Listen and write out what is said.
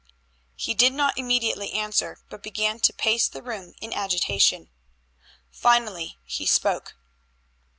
He did not immediately answer, but began to pace the room in agitation. Finally he spoke.